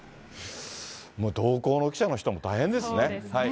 同行の記者の人も大そうですね。